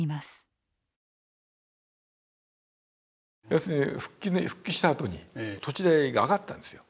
要するに復帰したあとに土地代が上がったんですよ。